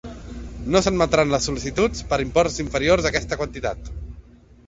No s'admetran les sol·licituds per imports inferiors a aquesta quantitat.